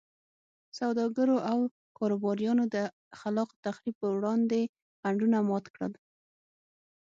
سوداګرو او کاروباریانو د خلاق تخریب پر وړاندې خنډونه مات کړل.